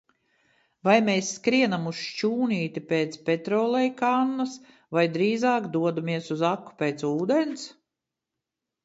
Vai mēs skrienam uz šķūnīti pēc petrolejkannas vai drīzāk dodamies uz aku pēc ūdens?